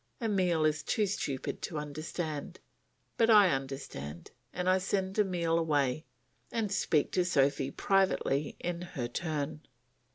Emile is too stupid to understand. But I understand, and I send Emile away and speak to Sophy privately in her turn.